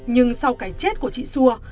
nhưng sau cái chết của chị xua